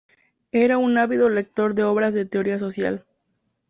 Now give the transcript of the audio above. Era un ávido lector de obras de teoría social.